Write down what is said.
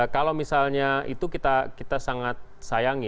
kalau misalnya itu kita sangat sayangi